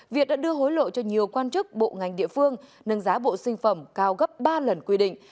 việt đã đưa hối lộ cho nhiều quan chức bộ ngành địa phương nâng giá bộ sinh phẩm cao gấp ba lần quy định